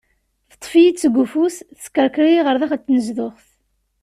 Teṭṭef-iyi-d seg ufus, teskerker-iyi ɣer daxel n tnezduɣt.